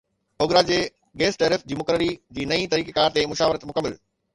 OGRA جي gas tariff جي مقرري جي نئين طريقيڪار تي مشاورت مڪمل